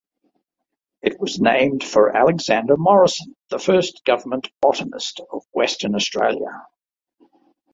It was named for Alexander Morrison, the first Government Botanist of Western Australia.